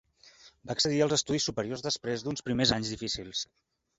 Va accedir als estudis superiors després d'uns primers anys difícils.